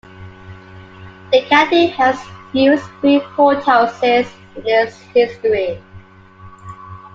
The county has used three courthouses in its history.